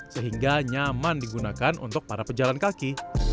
sehingga nyaman digunakan untuk para pejalan kaki